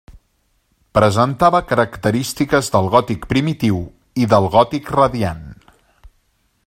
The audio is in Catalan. Presentava característiques del gòtic primitiu i del gòtic radiant.